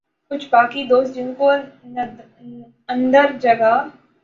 کچھ باقی دوست جن کو اندر جگہ